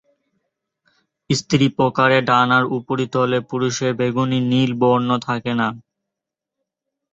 স্ত্রী প্রকারে ডানার উপরিতলে পুরুষের বেগুনি-নীল বর্ণ থাকে না।